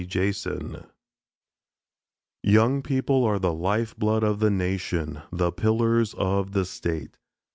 JASON Young people are the life blood of the nation, the pillars of the state.